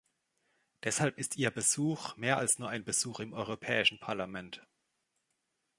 Deshalb ist Ihr Besuch mehr als nur ein Besuch im Europäischen Parlament.